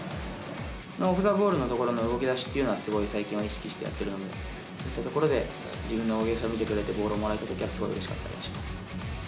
オフザボールのところの動きだしというのは、すごい最近は意識してやってるので、そういったところで自分の動きだしを見てくれて、ボールをもらえたときはうれしかったりしますね。